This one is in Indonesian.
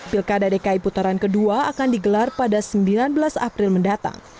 pilkada dki putaran kedua akan digelar pada sembilan belas april mendatang